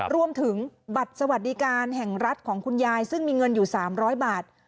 รวมถึงบัตรสวัสดิการแห่งรัฐของคุณยายซึ่งมีเงินอยู่๓๐๐บาท